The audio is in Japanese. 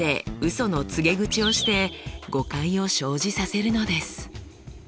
その告げ口をして誤解を生じさせるのです。